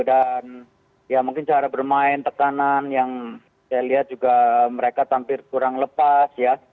dan ya mungkin cara bermain tekanan yang saya lihat juga mereka tampil kurang lepas ya